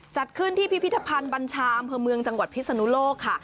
จัดขึ้นที่พิพิธภัณฑ์บัญชาอำเภอเมืองจังหวัดพิศนุโลกค่ะ